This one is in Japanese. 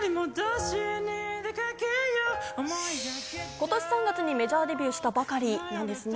今年３月にメジャーデビューしたばかりなんですね。